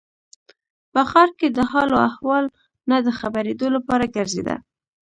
په ښار کې د حال و احوال نه د خبرېدو لپاره ګرځېده.